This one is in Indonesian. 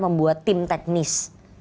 membuat tim teknis